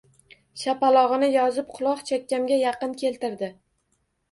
Shapalog‘ini yozib quloq-chakkamga yaqin keltirdi.